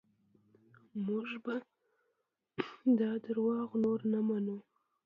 موږ به دا دروغ نور نه منو.